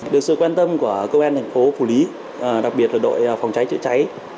được sự quan tâm của công an thành phố phủ lý đặc biệt là đội phòng cháy chữa cháy